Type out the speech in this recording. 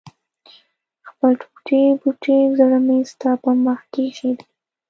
خپل ټوټې ټوټې زړه مې ستا په مخ کې ايښی دی